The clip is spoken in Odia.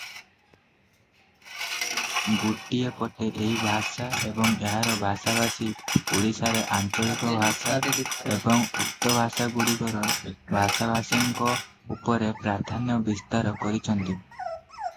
ଗୋଟିଏ ପଟେ ଏହି ଭାଷା ଏବଂ ଏହାର ଭାଷାଭାଷୀ ଓଡ଼ିଶାରେ ଆଞ୍ଚଳିକ ଭାଷା ଏବଂ ଉକ୍ତ ଭାଷାଗୁଡ଼ିକର ଭାଷାଭାଷୀମାନଙ୍କ ଉପରେ ପ୍ରାଧାନ୍ୟ ବିସ୍ତାର କରିଛନ୍ତି ।